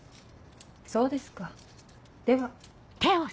そうですかでは。